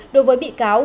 đối với bị cáo